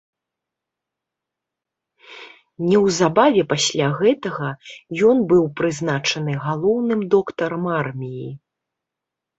Неўзабаве пасля гэтага ён быў прызначаны галоўным доктарам арміі.